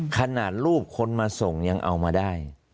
ขนาดรูปคนมาส่งยังเอามาได้